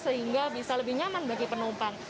sehingga bisa lebih nyaman bagi penumpang